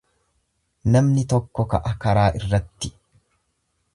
Namni tokko ka'a karaa irratti.